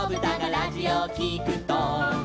「ラジオをきくと」